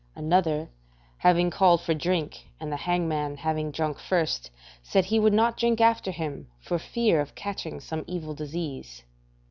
Another having called for drink, and the hangman having drunk first, said he would not drink after him, for fear of catching some evil disease.